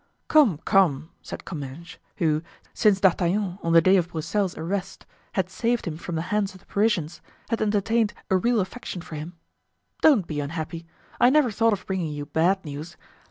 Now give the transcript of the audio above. "Come, come," said Comminges, who, since D'Artagnan, on the day of Broussel's arrest, had saved him from the hands of the Parisians, had entertained a real affection for him, "don't be unhappy; I never thought of bringing you bad news.